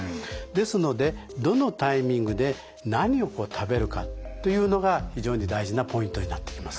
ですのでどのタイミングで何を食べるかというのが非常に大事なポイントになってきます。